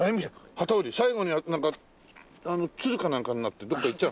機織り最後にはなんか鶴かなんかになってどっか行っちゃう。